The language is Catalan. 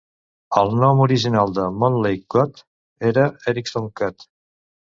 El nom original de Montlake Cut era Erickson Cut.